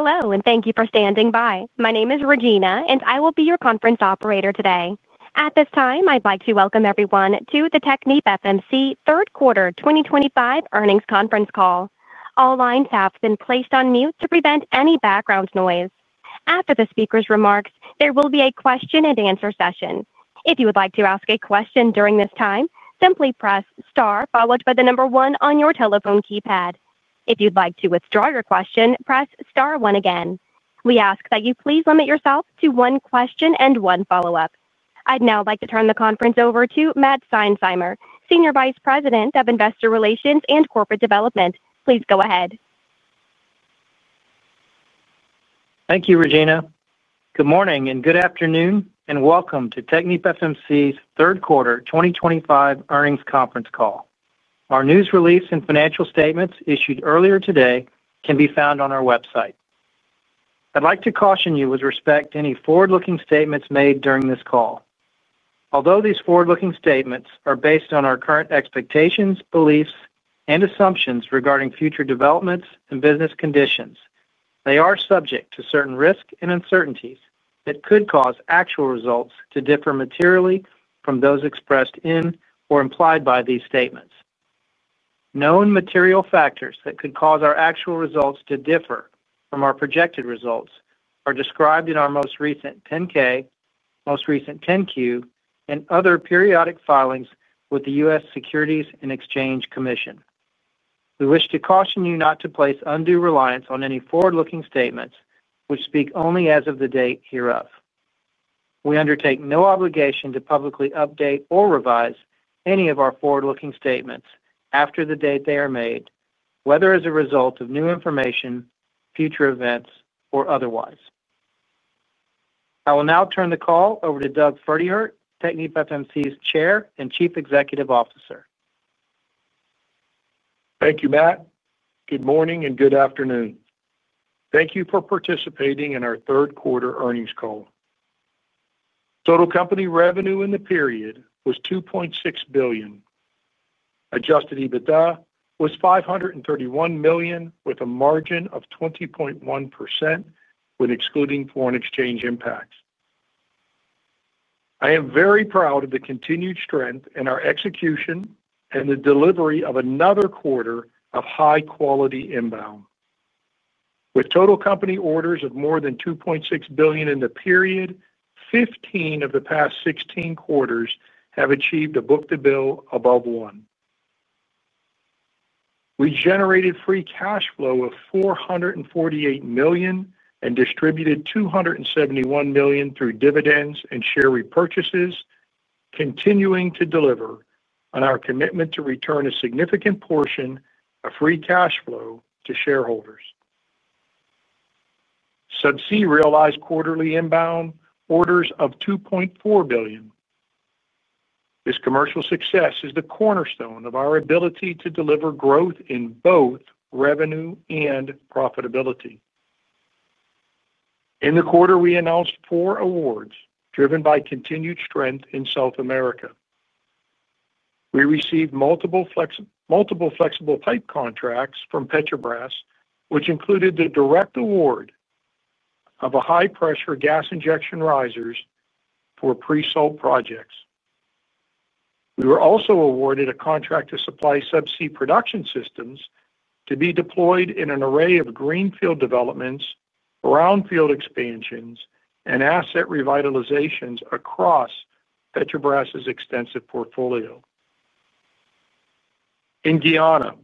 Hello, and thank you for standing by. My name is Regina, and I will be your conference operator today. At this time, I'd like to welcome everyone to the TechnipFMC third quarter 2025 earnings conference call. All lines have been placed on mute to prevent any background noise. After the speaker's remarks, there will be a question and answer session. If you would like to ask a question during this time, simply press star followed by the number one on your telephone keypad. If you'd like to withdraw your question, press star one again. We ask that you please limit yourself to one question and one follow-up. I'd now like to turn the conference over to Matt Seinsheimer, Senior Vice President of Investor Relations and Corporate Development. Please go ahead. Thank you, Regina. Good morning and good afternoon, and welcome to TechnipFMC's third quarter 2025 earnings conference call. Our news release and financial statements issued earlier today can be found on our website. I'd like to caution you with respect to any forward-looking statements made during this call. Although these forward-looking statements are based on our current expectations, beliefs, and assumptions regarding future developments and business conditions, they are subject to certain risks and uncertainties that could cause actual results to differ materially from those expressed in or implied by these statements. Known material factors that could cause our actual results to differ from our projected results are described in our most recent 10-K, most recent 10-Q, and other periodic filings with the U.S. Securities and Exchange Commission. We wish to caution you not to place undue reliance on any forward-looking statements which speak only as of the date hereof. We undertake no obligation to publicly update or revise any of our forward-looking statements after the date they are made, whether as a result of new information, future events, or otherwise. I will now turn the call over to Doug Pferdehirt, TechnipFMC's Chair and Chief Executive Officer. Thank you, Matt. Good morning and good afternoon. Thank you for participating in our third quarter earnings call. Total company revenue in the period was $2.6 billion. Adjusted EBITDA was $531 million with a margin of 20.1% when excluding foreign exchange impacts. I am very proud of the continued strength in our execution and the delivery of another quarter of high-quality inbound. With total company orders of more than $2.6 billion in the period, 15 of the past 16 quarters have achieved a book-to-bill above one. We generated free cash flow of $448 million and distributed $271 million through dividends and share repurchases, continuing to deliver on our commitment to return a significant portion of free cash flow to shareholders. Subsea realized quarterly inbound orders of $2.4 billion. This commercial success is the cornerstone of our ability to deliver growth in both revenue and profitability. In the quarter, we announced four awards driven by continued strength in South America. We received multiple flexible pipe contracts from Petrobras, which included the direct award of high-pressure gas injection risers for pre-salt projects. We were also awarded a contract to supply subsea production systems to be deployed in an array of greenfield developments, brownfield expansions, and asset revitalizations across Petrobras' extensive portfolio. In Guyana,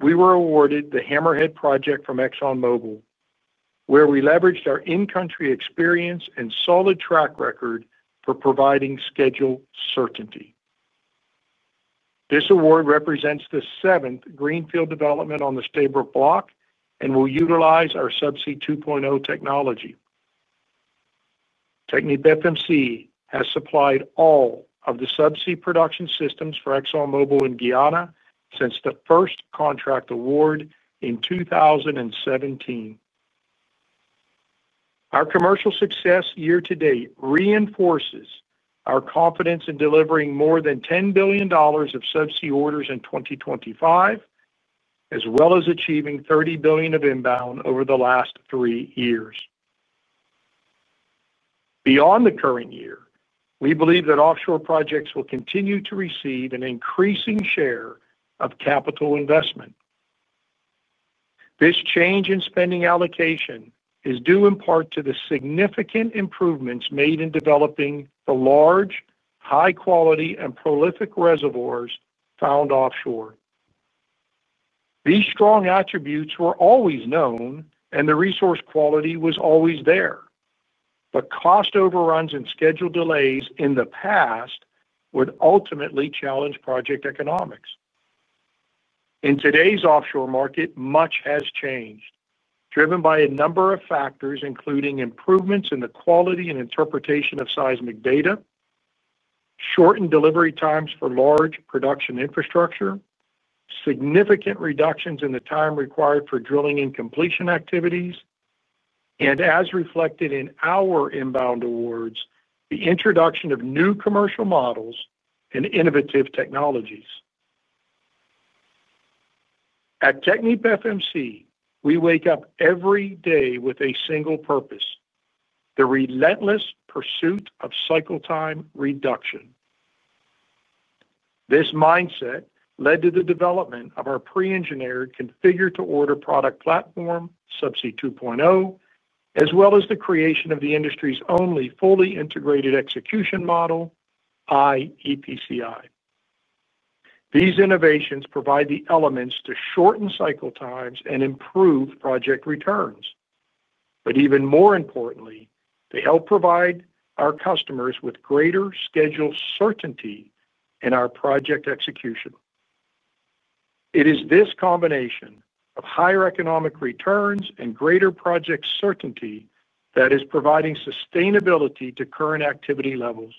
we were awarded the Hammerhead project from ExxonMobil, where we leveraged our in-country experience and solid track record for providing schedule certainty. This award represents the seventh greenfield development on the Stabroek Block and will utilize our Subsea 2.0 technology. TechnipFMC has supplied all of the subsea production systems for ExxonMobil in Guyana since the first contract award in 2017. Our commercial success year to date reinforces our confidence in delivering more than $10 billion of subsea orders in 2025, as well as achieving $30 billion of inbound over the last three years. Beyond the current year, we believe that offshore projects will continue to receive an increasing share of capital investment. This change in spending allocation is due in part to the significant improvements made in developing the large, high-quality, and prolific reservoirs found offshore. These strong attributes were always known, and the resource quality was always there. However, cost overruns and schedule delays in the past would ultimately challenge project economics. In today's offshore market, much has changed, driven by a number of factors, including improvements in the quality and interpretation of seismic data, shortened delivery times for large production infrastructure, significant reductions in the time required for drilling and completion activities, and, as reflected in our inbound awards, the introduction of new commercial models and innovative technologies. At TechnipFMC, we wake up every day with a single purpose: the relentless pursuit of cycle time reduction. This mindset led to the development of our pre-engineered configure-to-order product platform, Subsea 2.0, as well as the creation of the industry's only fully integrated execution model, iEPCI. These innovations provide the elements to shorten cycle times and improve project returns. Even more importantly, they help provide our customers with greater schedule certainty in our project execution. It is this combination of higher economic returns and greater project certainty that is providing sustainability to current activity levels,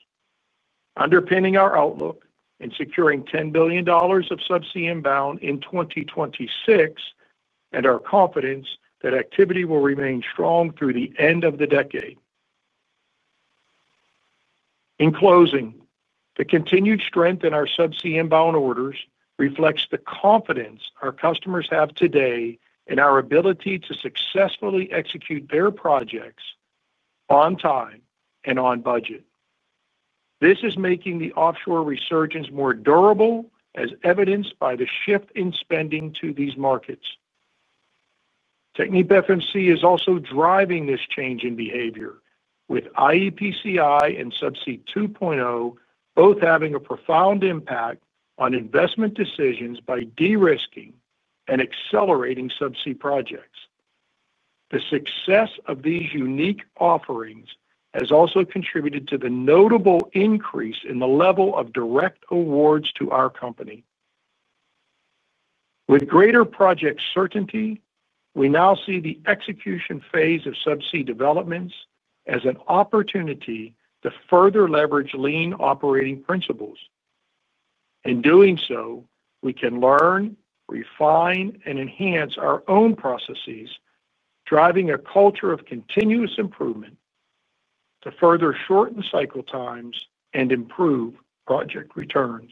underpinning our outlook in securing $10 billion of subsea inbound in 2026 and our confidence that activity will remain strong through the end of the decade. In closing, the continued strength in our subsea inbound orders reflects the confidence our customers have today in our ability to successfully execute their projects on time and on budget. This is making the offshore resurgence more durable, as evidenced by the shift in spending to these markets. TechnipFMC is also driving this change in behavior, with iEPCI and Subsea 2.0 both having a profound impact on investment decisions by de-risking and accelerating subsea projects. The success of these unique offerings has also contributed to the notable increase in the level of direct awards to our company. With greater project certainty, we now see the execution phase of subsea developments as an opportunity to further leverage lean operating principles. In doing so, we can learn, refine, and enhance our own processes, driving a culture of continuous improvement to further shorten cycle times and improve project returns.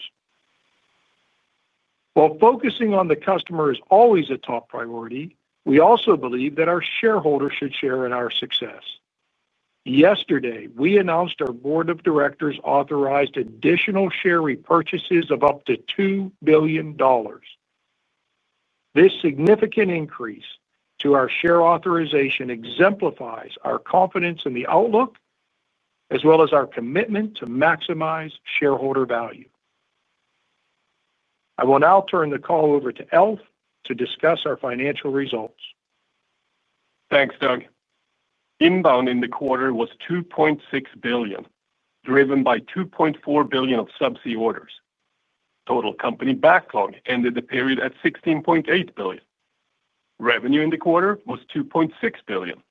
While focusing on the customer is always a top priority, we also believe that our shareholders should share in our success. Yesterday, we announced our board of directors authorized additional share repurchases of up to $2 billion. This significant increase to our share authorization exemplifies our confidence in the outlook, as well as our commitment to maximize shareholder value. I will now turn the call over to Alf to discuss our financial results. Thanks, Doug. Inbound in the quarter was $2.6 billion, driven by $2.4 billion of subsea orders. Total company backlog ended the period at $16.8 billion. Revenue in the quarter was $2.6 billion.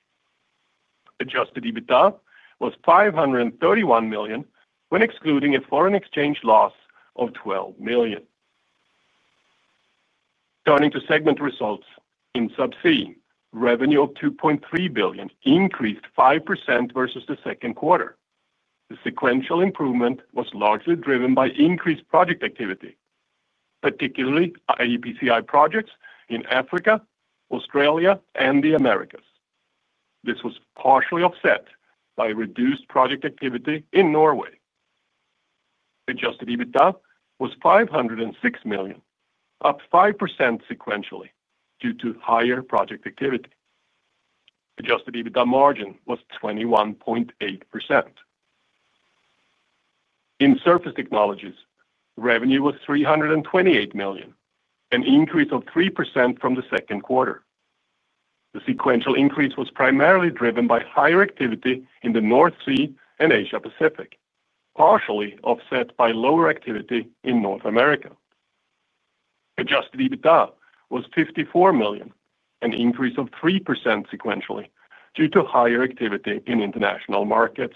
Adjusted EBITDA was $531 million when excluding a foreign exchange loss of $12 million. Turning to segment results in subsea, revenue of $2.3 billion increased 5% versus the second quarter. The sequential improvement was largely driven by increased project activity, particularly iEPCI projects in Africa, Australia, and the Americas. This was partially offset by reduced project activity in Norway. Adjusted EBITDA was $506 million, up 5% sequentially due to higher project activity. Adjusted EBITDA margin was 21.8%. In surface technologies, revenue was $328 million, an increase of 3% from the second quarter. The sequential increase was primarily driven by higher activity in the North Sea and Asia-Pacific, partially offset by lower activity in North America. Adjusted EBITDA was $54 million, an increase of 3% sequentially due to higher activity in international markets.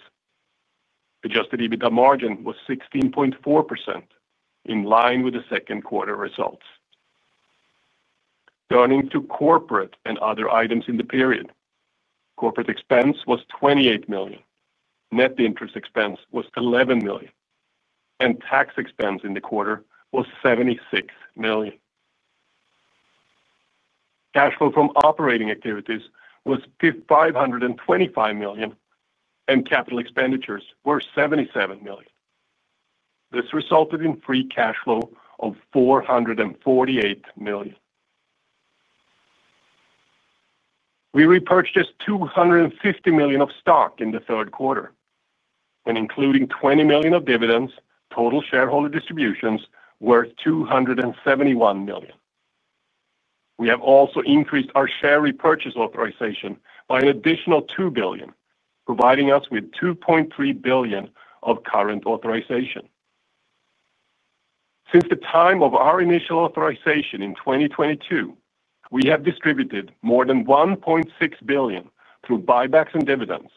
Adjusted EBITDA margin was 16.4%, in line with the second quarter results. Turning to corporate and other items in the period, corporate expense was $28 million, net interest expense was $11 million, and tax expense in the quarter was $76 million. Cash flow from operating activities was $525 million, and capital expenditures were $77 million. This resulted in free cash flow of $448 million. We repurchased $250 million of stock in the third quarter. When including $20 million of dividends, total shareholder distributions were $271 million. We have also increased our share repurchase authorization by an additional $2 billion, providing us with $2.3 billion of current authorization. Since the time of our initial authorization in 2022, we have distributed more than $1.6 billion through buybacks and dividends,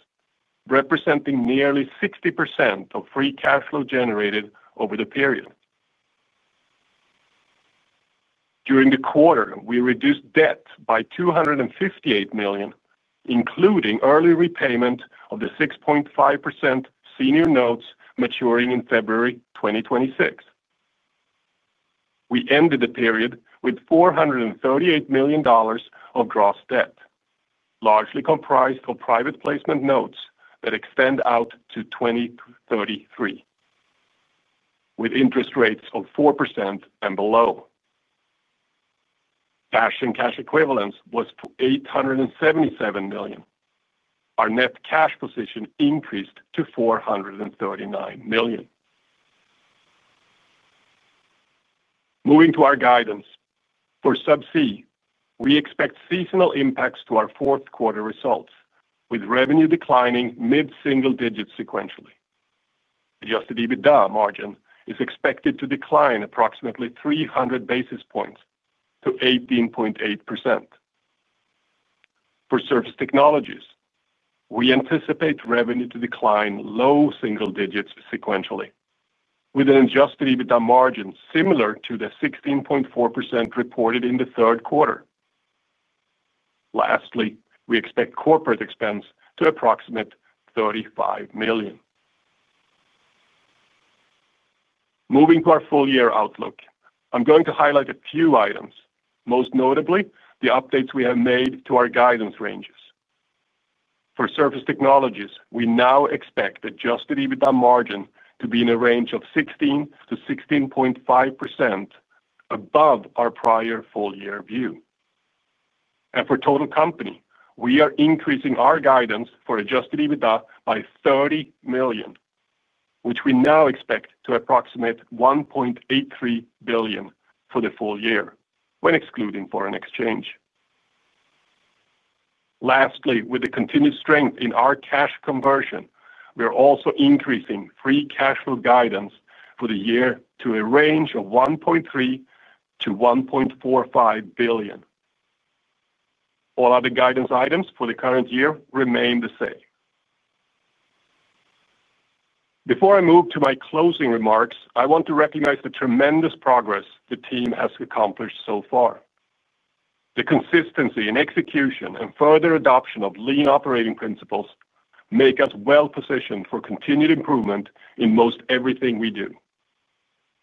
representing nearly 60% of free cash flow generated over the period. During the quarter, we reduced debt by $258 million, including early repayment of the 6.5% senior notes maturing in February 2026. We ended the period with $438 million of gross debt, largely comprised of private placement notes that extend out to 2033, with interest rates of 4% and below. Cash and cash equivalents were $877 million. Our net cash position increased to $439 million. Moving to our guidance for subsea, we expect seasonal impacts to our fourth quarter results, with revenue declining mid-single digit sequentially. Adjusted EBITDA margin is expected to decline approximately 300 basis points to 18.8%. For Surface Technologies, we anticipate revenue to decline low single digits sequentially, with an adjusted EBITDA margin similar to the 16.4% reported in the third quarter. Lastly, we expect corporate expense to approximate $35 million. Moving to our full-year outlook, I'm going to highlight a few items, most notably the updates we have made to our guidance ranges. For Surface Technologies, we now expect adjusted EBITDA margin to be in a range of 16% to 16.5%, above our prior full-year view. For total company, we are increasing our guidance for adjusted EBITDA by $30 million, which we now expect to approximate $1.83 billion for the full year when excluding foreign exchange. Lastly, with the continued strength in our cash conversion, we are also increasing free cash flow guidance for the year to a range of $1.3 billion-$1.45 billion. All other guidance items for the current year remain the same. Before I move to my closing remarks, I want to recognize the tremendous progress the team has accomplished so far. The consistency in execution and further adoption of lean operating principles make us well positioned for continued improvement in most everything we do.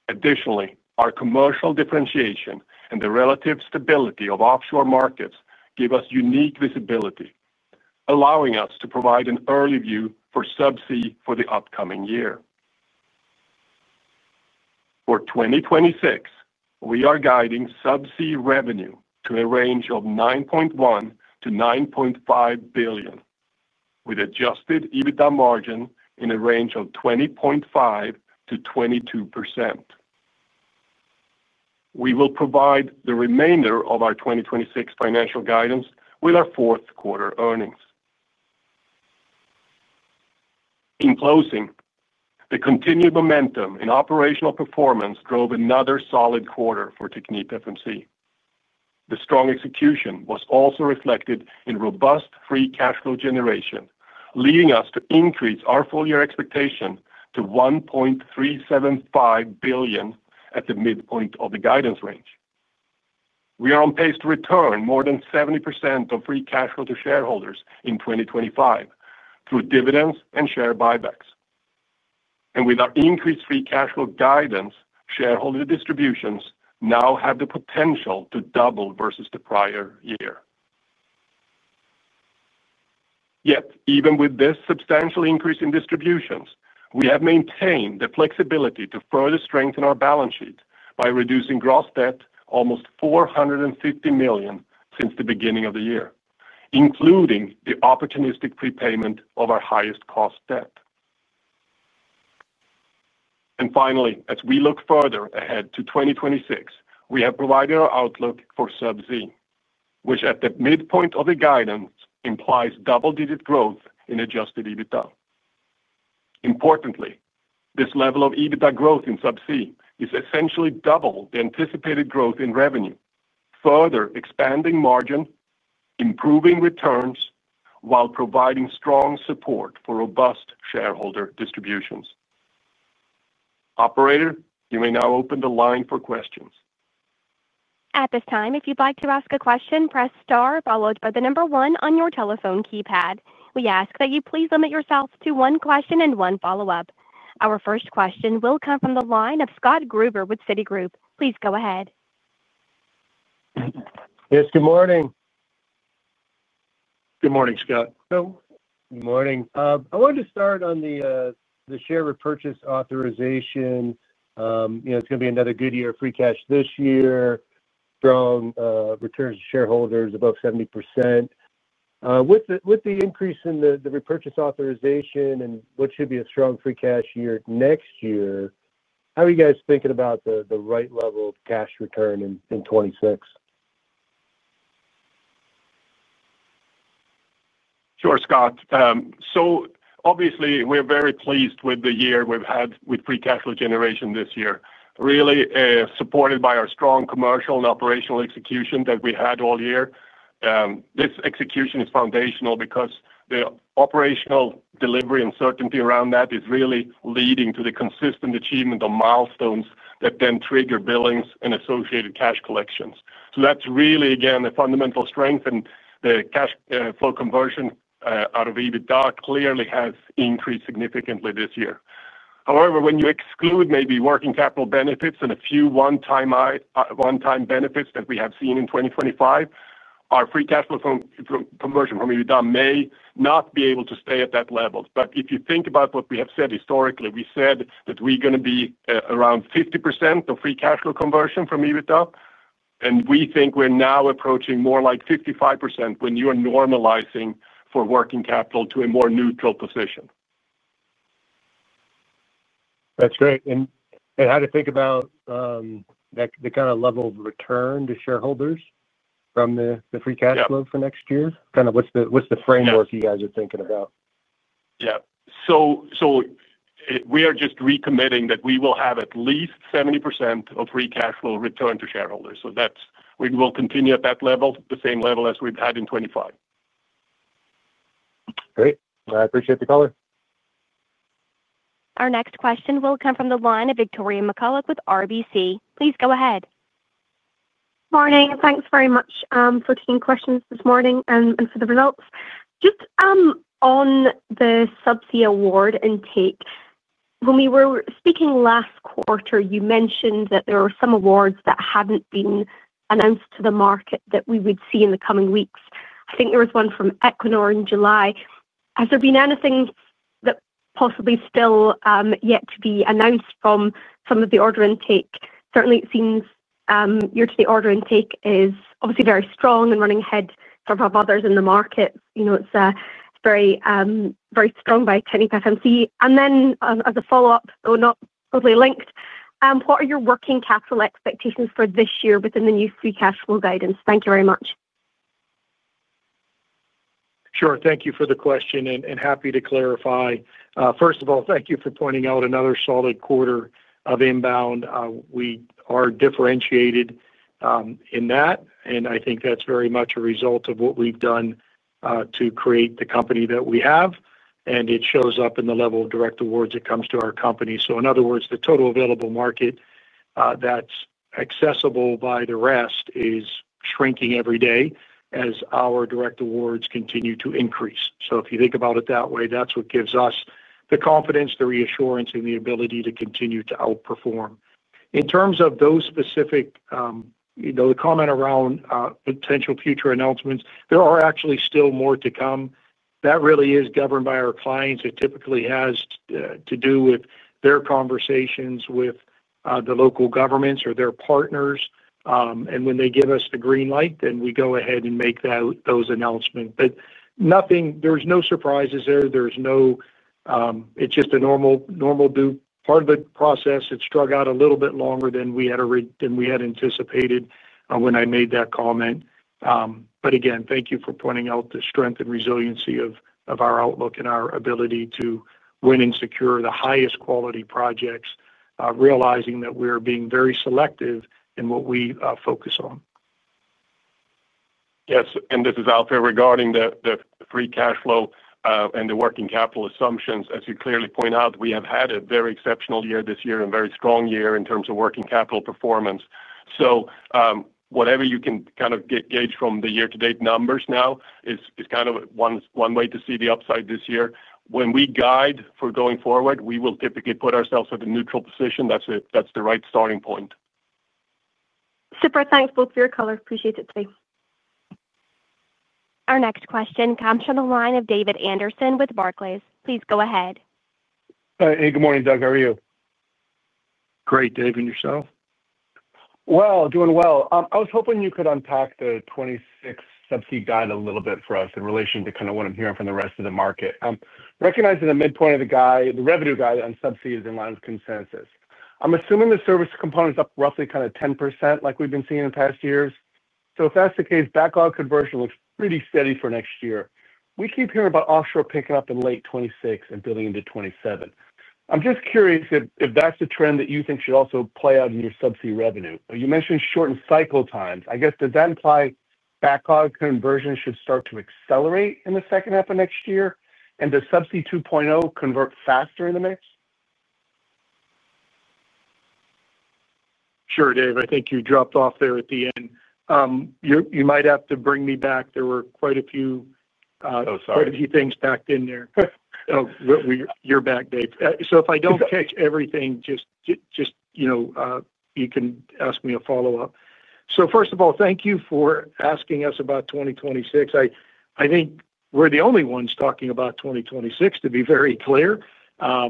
Additionally, our commercial differentiation and the relative stability of offshore markets give us unique visibility, allowing us to provide an early view for subsea for the upcoming year. For 2026, we are guiding subsea revenue to a range of $9.1 billion-$9.5 billion, with adjusted EBITDA margin in a range of 20.5%-22%. We will provide the remainder of our 2026 financial guidance with our fourth quarter earnings. In closing, the continued momentum in operational performance drove another solid quarter for TechnipFMC. The strong execution was also reflected in robust free cash flow generation, leading us to increase our full-year expectation to $1.375 billion at the midpoint of the guidance range. We are on pace to return more than 70% of free cash flow to shareholders in 2025 through dividends and share buybacks. With our increased free cash flow guidance, shareholder distributions now have the potential to double versus the prior year. Yet, even with this substantial increase in distributions, we have maintained the flexibility to further strengthen our balance sheet by reducing gross debt almost $450 million since the beginning of the year, including the opportunistic prepayment of our highest cost debt. As we look further ahead to 2026, we have provided our outlook for subsea, which at the midpoint of the guidance implies double-digit growth in adjusted EBITDA. Importantly, this level of EBITDA growth in subsea is essentially double the anticipated growth in revenue, further expanding margin, improving returns, while providing strong support for robust shareholder distributions. Operator, you may now open the line for questions. At this time, if you'd like to ask a question, press star followed by the number one on your telephone keypad. We ask that you please limit yourself to one question and one follow-up. Our first question will come from the line of Scott Gruber with Citigroup. Please go ahead. Yes, good morning. Good morning, Scott. Hello. Morning. I wanted to start on the share repurchase authorization. You know, it's going to be another good year of free cash this year, strong returns to shareholders above 70%. With the increase in the repurchase authorization and what should be a strong free cash year next year, how are you guys thinking about the right level of cash return in 2026? Sure, Scott. Obviously, we're very pleased with the year we've had with free cash flow generation this year, really supported by our strong commercial and operational execution that we had all year. This execution is foundational because the operational delivery and certainty around that is really leading to the consistent achievement of milestones that then trigger billings and associated cash collections. That's really, again, a fundamental strength, and the cash flow conversion out of EBITDA clearly has increased significantly this year. However, when you exclude maybe working capital benefits and a few one-time benefits that we have seen in 2025, our free cash flow conversion from EBITDA may not be able to stay at that level. If you think about what we have said historically, we said that we're going to be around 50% of free cash flow conversion from EBITDA, and we think we're now approaching more like 55% when you're normalizing for working capital to a more neutral position. That's great. How do you think about the kind of level of return to shareholders from the free cash flow for next year? What's the framework you guys are thinking about? We are just recommitting that we will have at least 70% of free cash flow returned to shareholders. That's we will continue at that level, the same level as we've had in 2025. Great. I appreciate the caller. Our next question will come from the line of Victoria McCulloch with RBC. Please go ahead. Morning. Thanks very much for taking questions this morning and for the results. Just on the subsea award intake, when we were speaking last quarter, you mentioned that there were some awards that hadn't been announced to the market that we would see in the coming weeks. I think there was one from Equinor in July. Has there been anything that possibly is still yet to be announced from some of the order intake? Certainly, it seems your order intake is obviously very strong and running ahead from others in the market. It's very strong by TechnipFMC. As a follow-up, though not totally linked, what are your working capital expectations for this year within the new free cash flow guidance? Thank you very much. Sure. Thank you for the question and happy to clarify. First of all, thank you for pointing out another solid quarter of inbound. We are differentiated in that, and I think that's very much a result of what we've done to create the company that we have. It shows up in the level of direct awards that comes to our company. In other words, the total available market that's accessible by the rest is shrinking every day as our direct awards continue to increase. If you think about it that way, that's what gives us the confidence, the reassurance, and the ability to continue to outperform. In terms of those specific, you know, the comment around potential future announcements, there are actually still more to come. That really is governed by our clients. It typically has to do with their conversations with the local governments or their partners. When they give us the green light, then we go ahead and make those announcements. There's no surprises there. It's just a normal part of the process. It's strung out a little bit longer than we had anticipated when I made that comment. Again, thank you for pointing out the strength and resiliency of our outlook and our ability to win and secure the highest quality projects, realizing that we're being very selective in what we focus on. Yes. This is Alpha regarding the free cash flow and the working capital assumptions. As you clearly point out, we have had a very exceptional year this year and a very strong year in terms of working capital performance. Whatever you can kind of gauge from the year-to-date numbers now is kind of one way to see the upside this year. When we guide for going forward, we will typically put ourselves at a neutral position. That's the right starting point. Super. Thanks, both of your callers. Appreciate it too. Our next question comes from the line of David Anderson with Barclays. Please go ahead. Hey, good morning, Doug. How are you? Great, David. Yourself? I was hoping you could unpack the 2026 subsea guide a little bit for us in relation to kind of what I'm hearing from the rest of the market. I recognize that the midpoint of the guide, the revenue guide on subsea, is in line with consensus. I'm assuming the service component is up roughly kind of 10% like we've been seeing in the past years. If that's the case, backlog conversion looks pretty steady for next year. We keep hearing about offshore picking up in late 2026 and building into 2027. I'm just curious if that's the trend that you think should also play out in your subsea revenue. You mentioned shortened cycle times. I guess, does that imply backlog conversion should start to accelerate in the second half of next year? Does Subsea 2.0 convert faster in the mix? Sure, Dave. I think you dropped off there at the end. You might have to bring me back. There were quite a few. Oh, sorry. Quite a few things packed in there. Oh, you're back, Dave. If I don't catch everything, just, you know, you can ask me a follow-up. First of all, thank you for asking us about 2026. I think we're the only ones talking about 2026, to be very clear,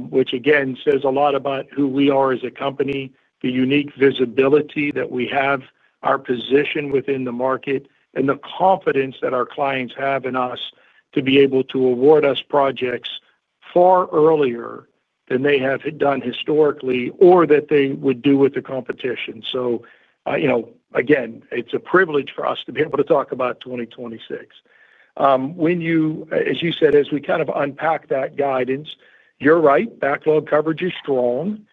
which again says a lot about who we are as a company, the unique visibility that we have, our position within the market, and the confidence that our clients have in us to be able to award us projects far earlier than they have done historically or that they would do with the competition. Again, it's a privilege for us to be able to talk about 2026. When you, as you said, as we kind of unpack that guidance, you're right, backlog coverage is strong.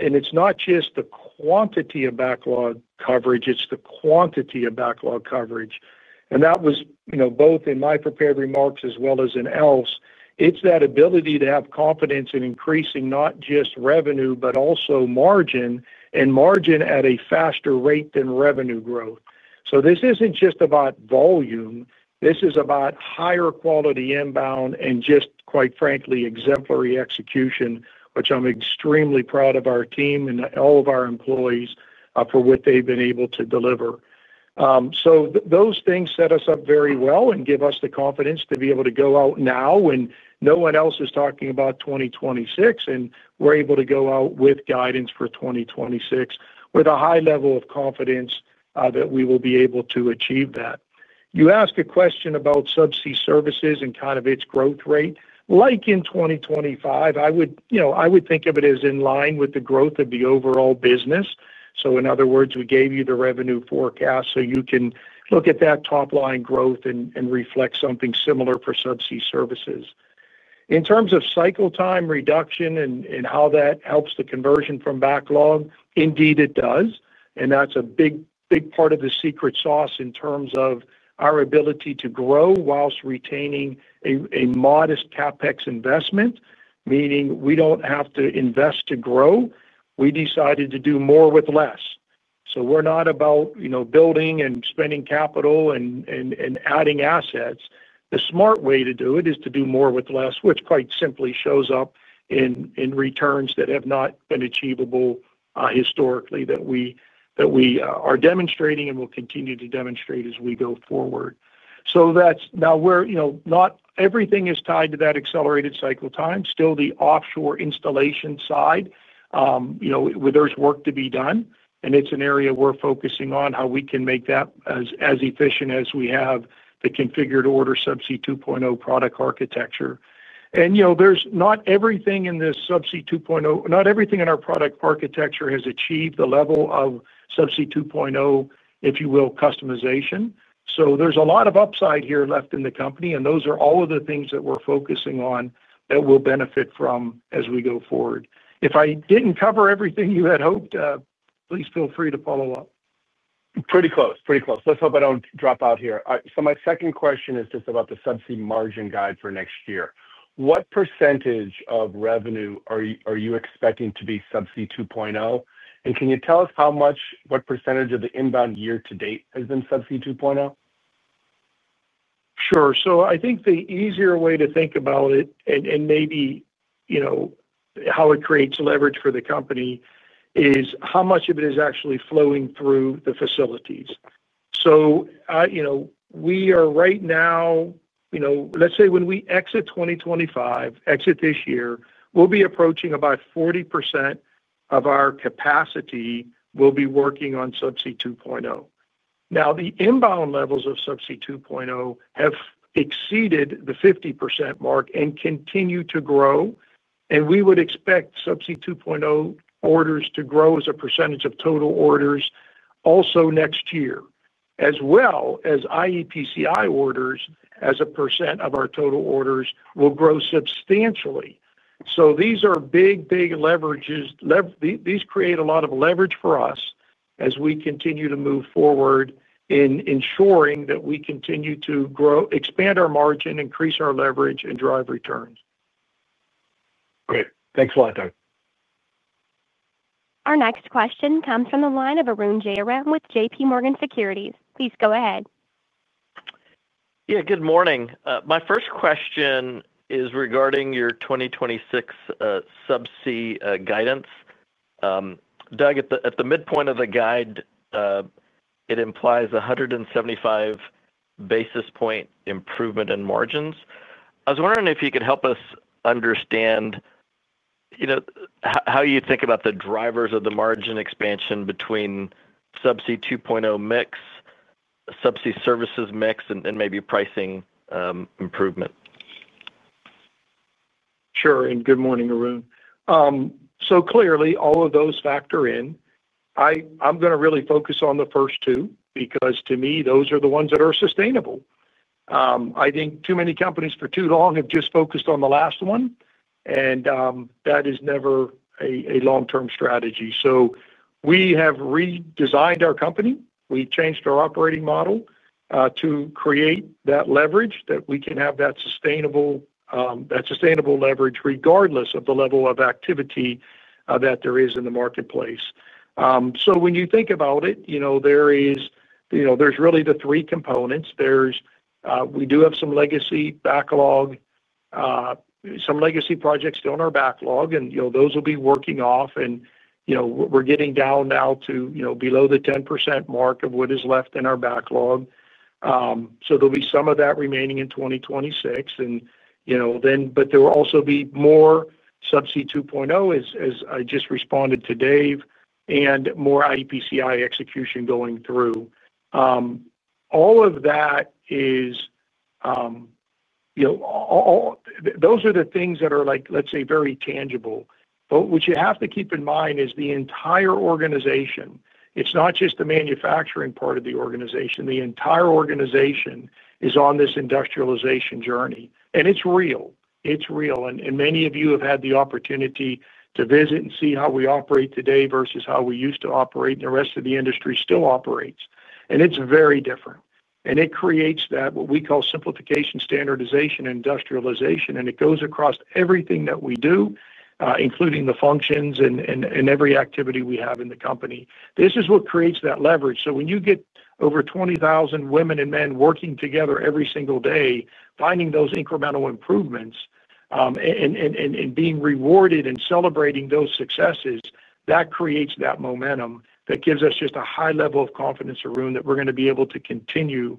It's not just the quantity of backlog coverage. It's the quality of backlog coverage. That was both in my prepared remarks as well as in Alf's. It's that ability to have confidence in increasing not just revenue, but also margin, and margin at a faster rate than revenue growth. This isn't just about volume. This is about higher quality inbound and just, quite frankly, exemplary execution, which I'm extremely proud of our team and all of our employees for what they've been able to deliver. Those things set us up very well and give us the confidence to be able to go out now when no one else is talking about 2026, and we're able to go out with guidance for 2026 with a high level of confidence that we will be able to achieve that. You ask a question about subsea services and kind of its growth rate. Like in 2025, I would think of it as in line with the growth of the overall business. In other words, we gave you the revenue forecast so you can look at that top line growth and reflect something similar for subsea services. In terms of cycle time reduction and how that helps the conversion from backlog, indeed, it does. That's a big, big part of the secret sauce in terms of our ability to grow whilst retaining a modest CapEx investment, meaning we don't have to invest to grow. We decided to do more with less. We're not about building and spending capital and adding assets. The smart way to do it is to do more with less, which quite simply shows up in returns that have not been achievable historically that we are demonstrating and will continue to demonstrate as we go forward. That's now where not everything is tied to that accelerated cycle time. Still, the offshore installation side, where there's work to be done, it's an area we're focusing on, how we can make that as efficient as we have the configured order Subsea 2.0 product architecture. There's not everything in this Subsea 2.0, not everything in our product architecture has achieved the level of Subsea 2.0, if you will, customization. There's a lot of upside here left in the company, and those are all of the things that we're focusing on that we'll benefit from as we go forward. If I didn't cover everything you had hoped, please feel free to follow up. Pretty close. Let's hope I don't drop out here. My second question is just about the subsea margin guide for next year. What % of revenue are you expecting to be Subsea 2.0? Can you tell us what percentage of the inbound year to date has been Subsea 2.0? Sure. I think the easier way to think about it and maybe, you know, how it creates leverage for the company is how much of it is actually flowing through the facilities. We are right now, let's say when we exit 2025, exit this year, we'll be approaching about 40% of our capacity will be working on Subsea 2.0. The inbound levels of Subsea 2.0 have exceeded the 50% mark and continue to grow. We would expect Subsea 2.0 orders to grow as a percentage of total orders also next year, as well as iEPCI orders as a percent of our total orders will grow substantially. These are big, big leverages. These create a lot of leverage for us as we continue to move forward in ensuring that we continue to grow, expand our margin, increase our leverage, and drive returns. Great. Thanks a lot, Doug. Our next question comes from the line of Arun Jayaram with JPMorgan Securities. Please go ahead. Good morning. My first question is regarding your 2026 subsea guidance. Doug, at the midpoint of the guide, it implies 175 basis point improvement in margins. I was wondering if you could help us understand how you think about the drivers of the margin expansion between Subsea 2.0 mix, Subsea Services mix, and maybe pricing improvement. Sure. Good morning, Arun. Clearly, all of those factor in. I'm going to really focus on the first two because to me, those are the ones that are sustainable. I think too many companies for too long have just focused on the last one, and that is never a long-term strategy. We have redesigned our company. We changed our operating model to create that leverage that we can have that sustainable leverage regardless of the level of activity that there is in the marketplace. When you think about it, there are really the three components. We do have some legacy backlog, some legacy projects still in our backlog, and those will be working off. We're getting down now to below the 10% mark of what is left in our backlog. There will be some of that remaining in 2026. There will also be more Subsea 2.0, as I just responded to Dave, and more iEPCI execution going through. All of that is, those are the things that are, let's say, very tangible. What you have to keep in mind is the entire organization. It's not just the manufacturing part of the organization. The entire organization is on this industrialization journey. It's real. Many of you have had the opportunity to visit and see how we operate today versus how we used to operate, and the rest of the industry still operates. It's very different. It creates what we call simplification, standardization, and industrialization. It goes across everything that we do, including the functions and every activity we have in the company. This is what creates that leverage. When you get over 20,000 women and men working together every single day, finding those incremental improvements, and being rewarded and celebrating those successes, that creates that momentum that gives us just a high level of confidence, Arun, that we're going to be able to continue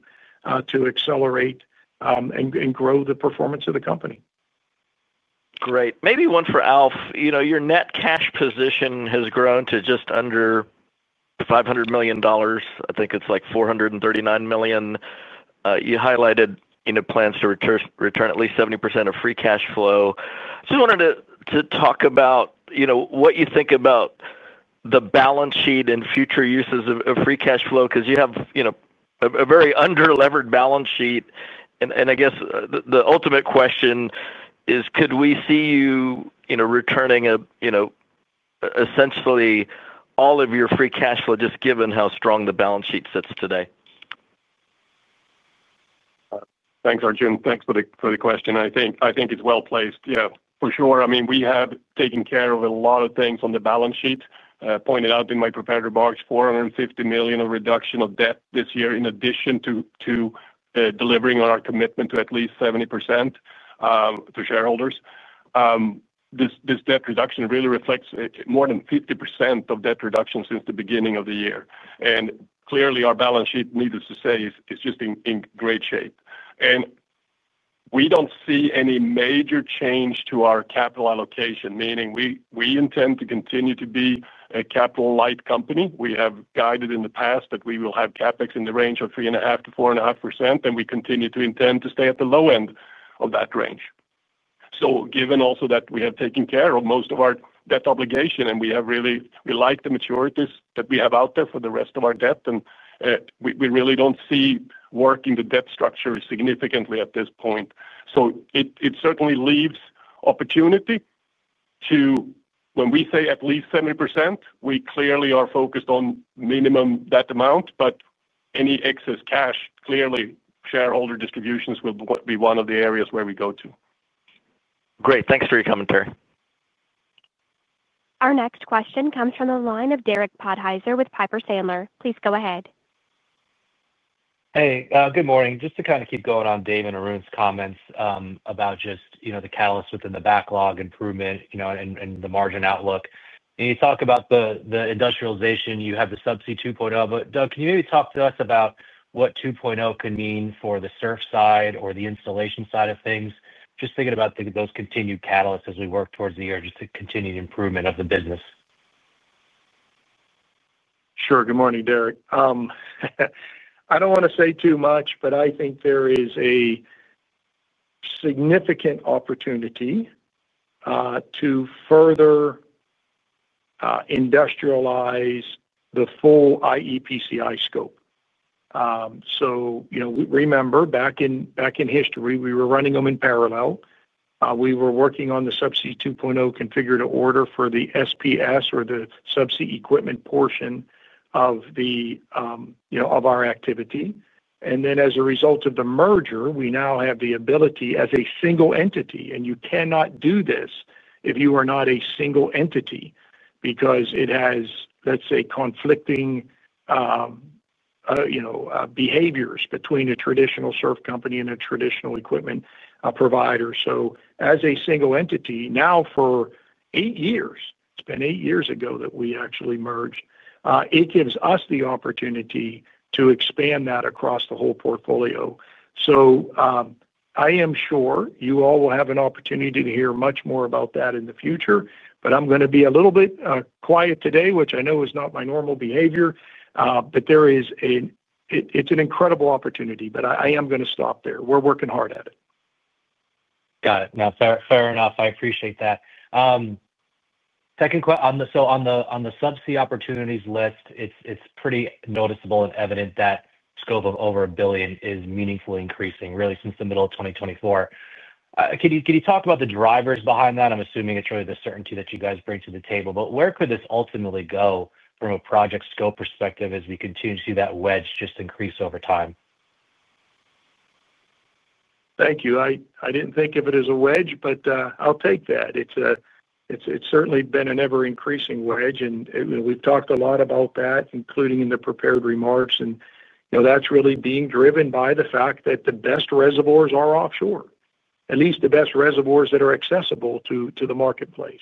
to accelerate and grow the performance of the company. Great. Maybe one for Alf. Your net cash position has grown to just under $500 million. I think it's like $439 million. You highlighted plans to return at least 70% of free cash flow. I just wanted to talk about what you think about the balance sheet and future uses of free cash flow because you have a very under-levered balance sheet. I guess the ultimate question is, could we see you returning essentially all of your free cash flow, just given how strong the balance sheet sits today? Thanks, Arjun. Thanks for the question. I think it's well placed. Yeah, for sure. I mean, we have taken care of a lot of things on the balance sheet. As I pointed out in my prepared remarks, $450 million of reduction of debt this year in addition to delivering on our commitment to at least 70% to shareholders. This debt reduction really reflects more than 50% of debt reduction since the beginning of the year. Clearly, our balance sheet, needless to say, is just in great shape. We don't see any major change to our capital allocation, meaning we intend to continue to be a capital-light company. We have guided in the past that we will have CapEx in the range of 3.5%-4.5%, and we continue to intend to stay at the low end of that range. Given also that we have taken care of most of our debt obligation and we have really relied on the maturities that we have out there for the rest of our debt, we really don't see working the debt structure significantly at this point. It certainly leaves opportunity to, when we say at least 70%, we clearly are focused on minimum that amount, but any excess cash, clearly shareholder distributions will be one of the areas where we go to. Great. Thanks for your commentary. Our next question comes from the line of Derek Podhaizer with Piper Sandler. Please go ahead. Hey, good morning. Just to kind of keep going on Dave and Arun's comments about just, you know, the catalyst within the backlog improvement, you know, and the margin outlook. You talk about the industrialization, you have the Subsea 2.0, but Doug, can you maybe talk to us about what 2.0 can mean for the surf side or the installation side of things? Just thinking about those continued catalysts as we work towards the year, just the continued improvement of the business. Sure. Good morning, Derek. I don't want to say too much, but I think there is a significant opportunity to further industrialize the full iEPCI scope. You know, remember back in history, we were running them in parallel. We were working on the Subsea 2.0 configured order for the SPS or the subsea equipment portion of our activity. As a result of the merger, we now have the ability as a single entity, and you cannot do this if you are not a single entity because it has, let's say, conflicting behaviors between a traditional SURF company and a traditional equipment provider. As a single entity, now for eight years, it's been eight years ago that we actually merged, it gives us the opportunity to expand that across the whole portfolio. I am sure you all will have an opportunity to hear much more about that in the future, but I'm going to be a little bit quiet today, which I know is not my normal behavior, but it's an incredible opportunity. I am going to stop there. We're working hard at it. Got it. No, fair enough. I appreciate that. Second question, on the subsea opportunities list, it's pretty noticeable and evident that the scope of over $1 billion is meaningfully increasing, really, since the middle of 2024. Can you talk about the drivers behind that? I'm assuming it's really the certainty that you guys bring to the table, but where could this ultimately go from a project scope perspective as we continue to see that wedge just increase over time? Thank you. I didn't think of it as a wedge, but I'll take that. It's certainly been an ever-increasing wedge, and we've talked a lot about that, including in the prepared remarks. You know, that's really being driven by the fact that the best reservoirs are offshore, at least the best reservoirs that are accessible to the marketplace.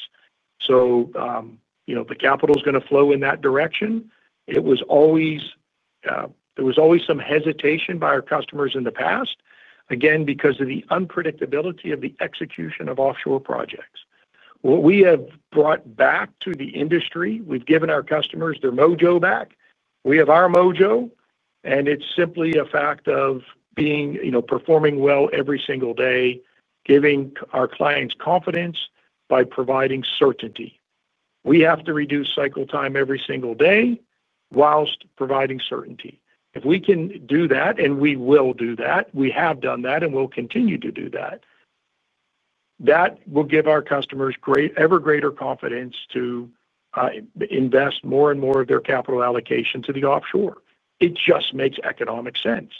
The capital is going to flow in that direction. There was always some hesitation by our customers in the past, again, because of the unpredictability of the execution of offshore projects. What we have brought back to the industry, we've given our customers their mojo back. We have our mojo, and it's simply a fact of performing well every single day, giving our clients confidence by providing certainty. We have to reduce cycle time every single day whilst providing certainty. If we can do that, and we will do that, we have done that, and we'll continue to do that, that will give our customers ever greater confidence to invest more and more of their capital allocation to the offshore. It just makes economic sense.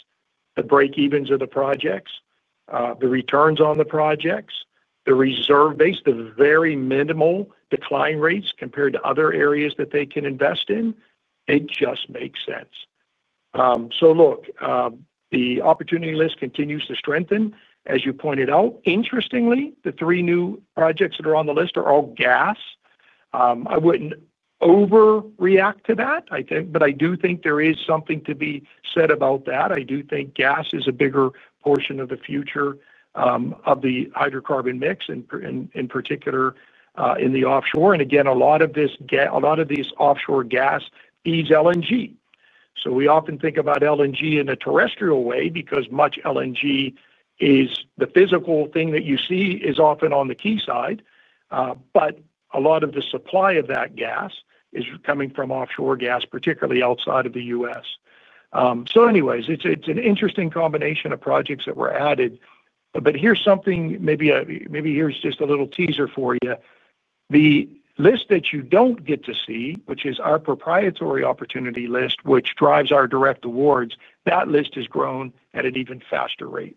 The break-evens of the projects, the returns on the projects, the reserve-based, the very minimal decline rates compared to other areas that they can invest in, it just makes sense. The opportunity list continues to strengthen. As you pointed out, interestingly, the three new projects that are on the list are all gas. I wouldn't overreact to that, I think, but I do think there is something to be said about that. I do think gas is a bigger portion of the future of the hydrocarbon mix and in particular in the offshore. Again, a lot of this offshore gas feeds LNG. We often think about LNG in a terrestrial way because much LNG is the physical thing that you see is often on the quayside. A lot of the supply of that gas is coming from offshore gas, particularly outside of the U.S. Anyways, it's an interesting combination of projects that were added. Here's something, maybe just a little teaser for you. The list that you don't get to see, which is our proprietary opportunity list, which drives our direct awards, that list has grown at an even faster rate.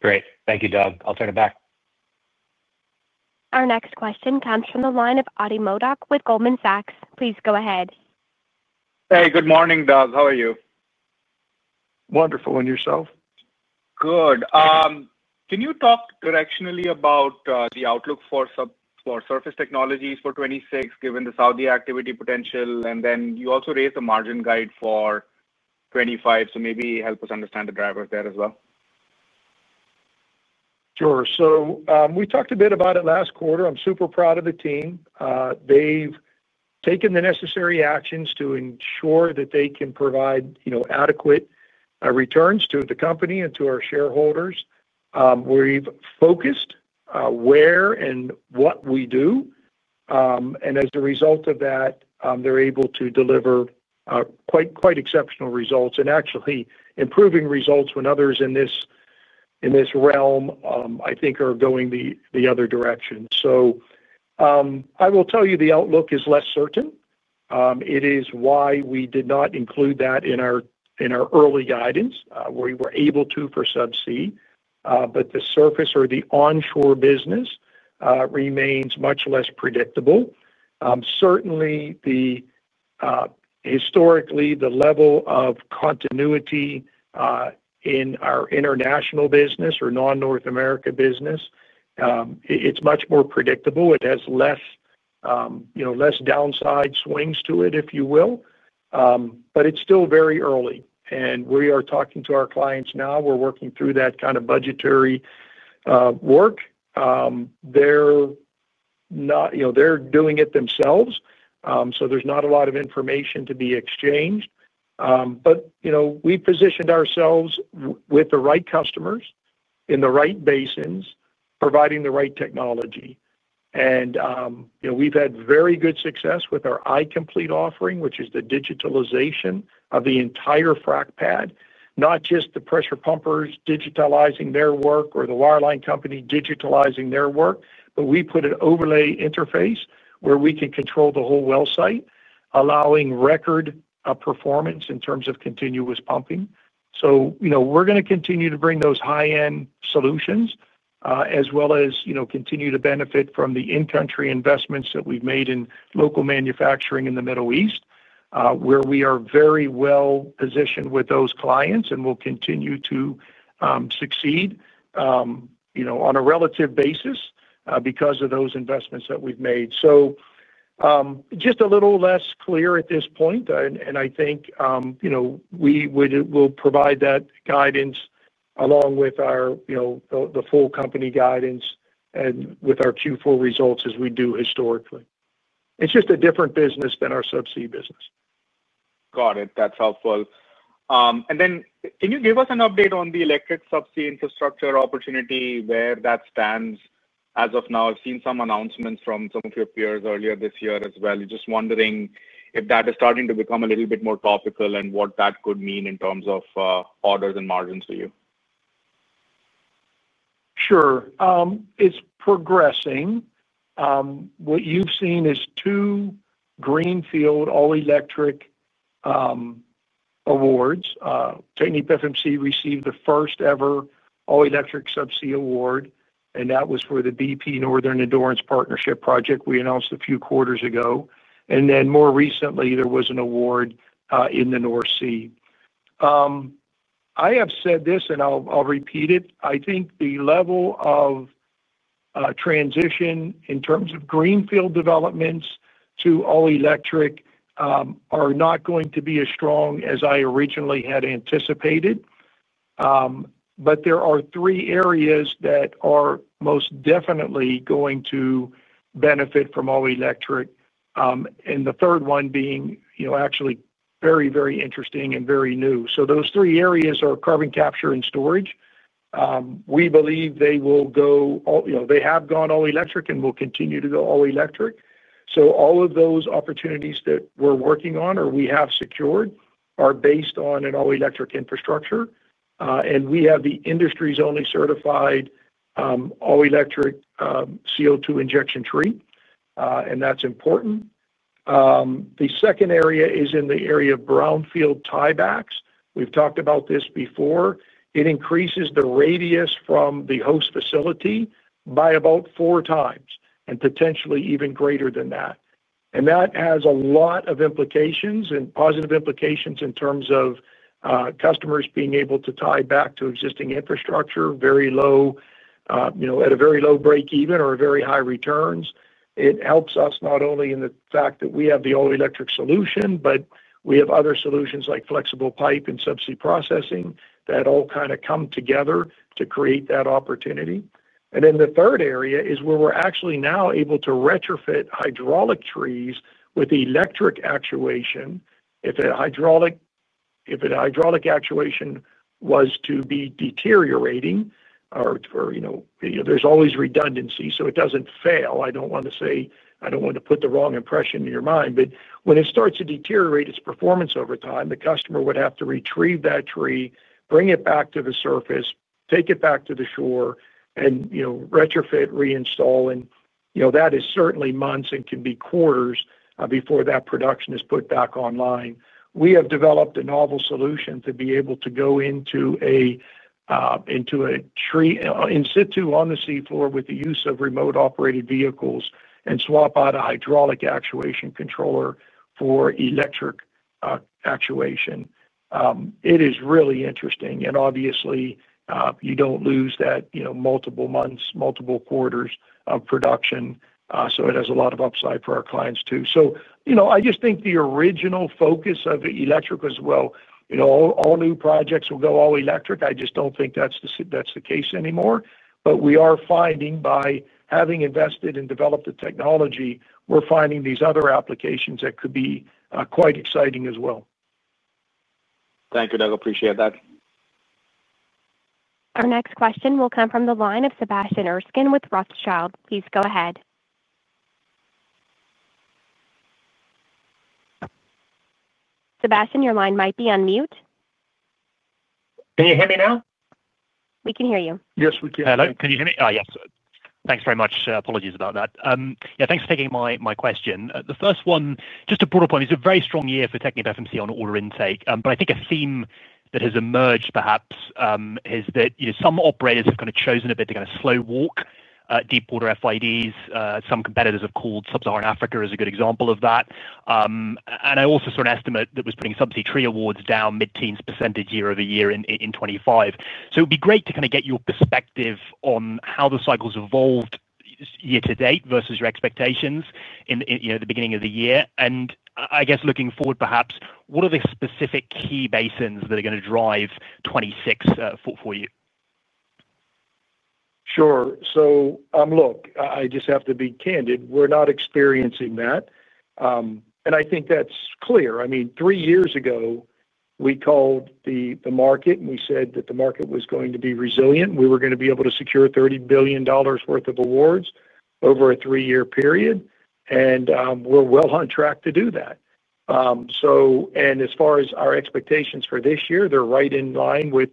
Great. Thank you, Doug. I'll turn it back. Our next question comes from the line of Adi Modak with Goldman Sachs. Please go ahead. Hey, good morning, Doug. How are you? Wonderful. And yourself? Good. Can you talk directionally about the outlook for Surface Technologies for 2026, given the Saudi activity potential? You also raised the margin guide for 2025. Maybe help us understand the drivers there as well. Sure. We talked a bit about it last quarter. I'm super proud of the team. They've taken the necessary actions to ensure that they can provide adequate returns to the company and to our shareholders. We've focused where and what we do, and as a result of that, they're able to deliver quite exceptional results and actually improving results when others in this realm, I think, are going the other direction. I will tell you the outlook is less certain. It is why we did not include that in our early guidance. We were able to for subsea, but the surface or the onshore business remains much less predictable. Certainly, historically, the level of continuity in our international business or non-North America business, it's much more predictable. It has less downside swings to it, if you will. It's still very early. We are talking to our clients now. We're working through that kind of budgetary work. They're doing it themselves. There's not a lot of information to be exchanged. We positioned ourselves with the right customers in the right basins, providing the right technology. We've had very good success with our iComplete offering, which is the digitalization of the entire frac pad, not just the pressure pumpers digitalizing their work or the wireline company digitalizing their work, but we put an overlay interface where we can control the whole well site, allowing record performance in terms of continuous pumping. We're going to continue to bring those high-end solutions, as well as continue to benefit from the in-country investments that we've made in local manufacturing in the Middle East, where we are very well positioned with those clients and will continue to succeed on a relative basis because of those investments that we've made. It's just a little less clear at this point. I think we will provide that guidance along with our full company guidance and with our Q4 results as we do historically. It's just a different business than our subsea business. Got it. That's helpful. Can you give us an update on the all-electric subsea infrastructure opportunity, where that stands as of now? I've seen some announcements from some of your peers earlier this year as well. I'm just wondering if that is starting to become a little bit more topical and what that could mean in terms of orders and margins for you. Sure. It's progressing. What you've seen is two greenfield all-electric awards. TechnipFMC received the first ever all-electric subsea award, and that was for the BP Northern Endurance Partnership project we announced a few quarters ago. More recently, there was an award in the North Sea. I have said this, and I'll repeat it. I think the level of transition in terms of greenfield developments to all-electric are not going to be as strong as I originally had anticipated. There are three areas that are most definitely going to benefit from all-electric, and the third one being actually very, very interesting and very new. Those three areas are carbon capture and storage. We believe they will go all-electric and will continue to go all-electric. All of those opportunities that we're working on or we have secured are based on an all-electric infrastructure. We have the industry's only certified all-electric CO2 injection tree, and that's important. The second area is in the area of brownfield tiebacks. We've talked about this before. It increases the radius from the host facility by about four times and potentially even greater than that. That has a lot of implications and positive implications in terms of customers being able to tie back to existing infrastructure at a very low break-even or very high returns. It helps us not only in the fact that we have the all-electric solution, but we have other solutions like flexible pipe and subsea processing that all kind of come together to create that opportunity. The third area is where we're actually now able to retrofit hydraulic trees with electric actuation. If a hydraulic actuation was to be deteriorating or, you know, there's always redundancy, so it doesn't fail. I don't want to put the wrong impression in your mind, but when it starts to deteriorate its performance over time, the customer would have to retrieve that tree, bring it back to the surface, take it back to the shore, retrofit, reinstall. That is certainly months and can be quarters before that production is put back online. We have developed a novel solution to be able to go into a tree in situ on the seafloor with the use of remote-operated vehicles and swap out a hydraulic actuation controller for electric actuation. It is really interesting. Obviously, you don't lose that multiple months, multiple quarters of production. It has a lot of upside for our clients too. I just think the original focus of electric as well, you know, all new projects will go all-electric. I just don't think that's the case anymore. We are finding by having invested and developed the technology, we're finding these other applications that could be quite exciting as well. Thank you, Doug. Appreciate that. Our next question will come from the line of Sebastian Erskine with Rothschild. Please go ahead. Sebastian, your line might be on mute. Can you hear me now? We can hear you. Yes, we can. Can you hear me? Oh, yes. Thanks very much. Apologies about that. Yeah, thanks for taking my question. The first one, just a broader point, is a very strong year for TechnipFMC on order intake. I think a theme that has emerged perhaps is that, you know, some operators have kind of chosen a bit to kind of slow walk deep order FIDs. Some competitors have called Sub-Saharan Africa as a good example of that. I also saw an estimate that was putting subsea tree awards down mid-teens percentage year-over-year in 2025. It would be great to kind of get your perspective on how the cycle's evolved year to date versus your expectations in the beginning of the year. I guess looking forward perhaps, what are the specific key basins that are going to drive 2026 for you? Sure. I just have to be candid. We're not experiencing that, and I think that's clear. Three years ago, we called the market and we said that the market was going to be resilient. We were going to be able to secure $30 billion worth of awards over a three-year period, and we're well on track to do that. As far as our expectations for this year, they're right in line with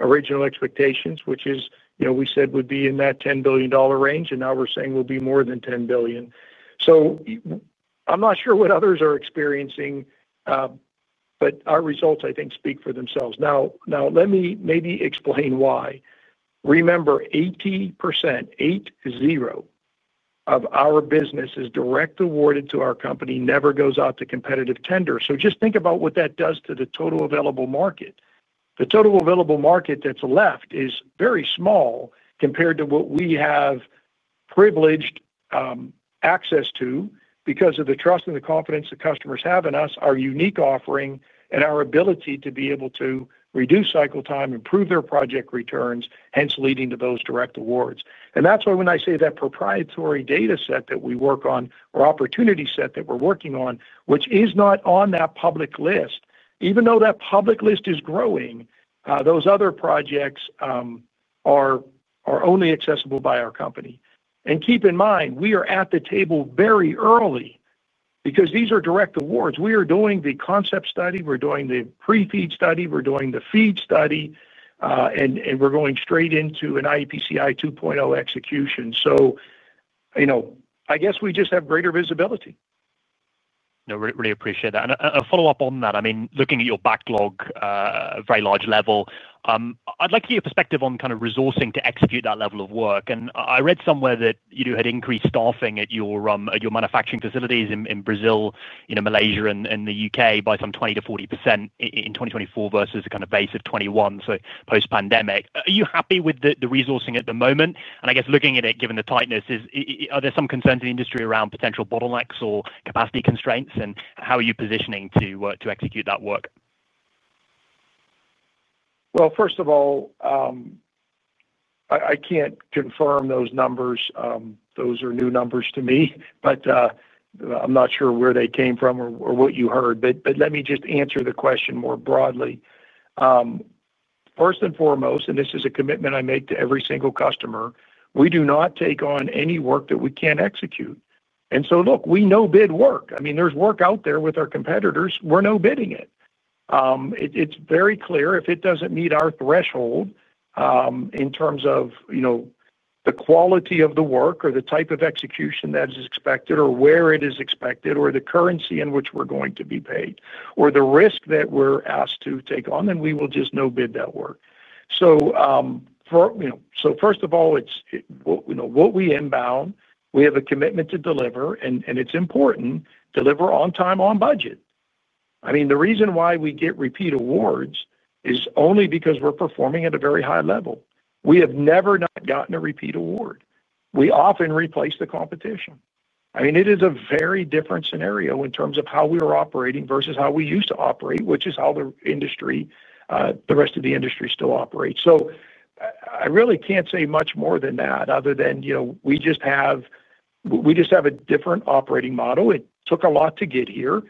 original expectations, which is, you know, we said would be in that $10 billion range, and now we're saying we'll be more than $10 billion. I'm not sure what others are experiencing, but our results, I think, speak for themselves. Let me maybe explain why. Remember, 80%, eight, zero, of our business is direct awarded to our company, never goes out to competitive tender. Just think about what that does to the total available market. The total available market that's left is very small compared to what we have privileged access to because of the trust and the confidence the customers have in us, our unique offering, and our ability to be able to reduce cycle time, improve their project returns, hence leading to those direct awards. That's why when I say that proprietary data set that we work on or opportunity set that we're working on, which is not on that public list, even though that public list is growing, those other projects are only accessible by our company. Keep in mind, we are at the table very early because these are direct awards. We are doing the concept study, we're doing the pre-feed study, we're doing the feed study, and we're going straight into an iEPCI 2.0 execution. I guess we just have greater visibility. No, really appreciate that. A follow-up on that. I mean, looking at your backlog, a very large level, I'd like to get your perspective on kind of resourcing to execute that level of work. I read somewhere that you had increased staffing at your manufacturing facilities in Brazil, Malaysia, and the U.K. by some 20%-40% in 2024 versus a kind of base of 2021, so post-pandemic. Are you happy with the resourcing at the moment? I guess looking at it, given the tightness, are there some concerns in the industry around potential bottlenecks or capacity constraints? How are you positioning to execute that work? First of all, I can't confirm those numbers. Those are new numbers to me, but I'm not sure where they came from or what you heard. Let me just answer the question more broadly. First and foremost, and this is a commitment I make to every single customer, we do not take on any work that we can't execute. We no-bid work. I mean, there's work out there with our competitors. We're no-bidding it. It's very clear if it doesn't meet our threshold in terms of the quality of the work or the type of execution that is expected or where it is expected or the currency in which we're going to be paid or the risk that we're asked to take on, then we will just no-bid that work. First of all, it's what we inbound, we have a commitment to deliver, and it's important to deliver on time, on budget. The reason why we get repeat awards is only because we're performing at a very high level. We have never not gotten a repeat award. We often replace the competition. It is a very different scenario in terms of how we're operating versus how we used to operate, which is how the rest of the industry still operates. I really can't say much more than that other than we just have a different operating model. It took a lot to get here.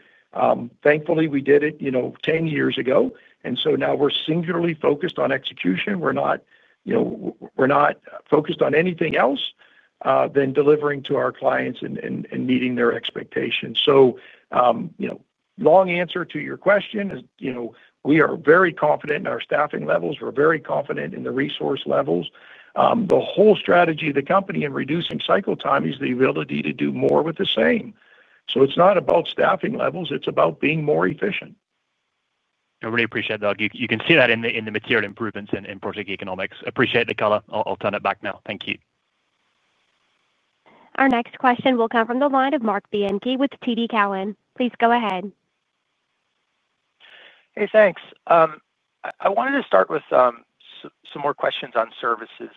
Thankfully, we did it 10 years ago. Now we're singularly focused on execution. We're not focused on anything else than delivering to our clients and meeting their expectations. Long answer to your question is, we are very confident in our staffing levels. We're very confident in the resource levels. The whole strategy of the company in reducing cycle time is the ability to do more with the same. It's not about staffing levels. It's about being more efficient. I really appreciate that. You can see that in the material improvements in project economics. Appreciate the color. I'll turn it back now. Thank you. Our next question will come from the line of Mark Bianchi with TD Cowen. Please go ahead. Hey, thanks. I wanted to start with some more questions on services.